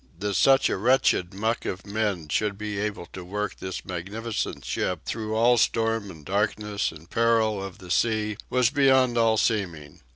That such a wretched muck of men should be able to work this magnificent ship through all storm and darkness and peril of the sea was beyond all seeming.